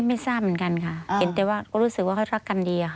ไม่ทราบเหมือนกันค่ะเห็นแต่ว่าก็รู้สึกว่าเขารักกันดีค่ะ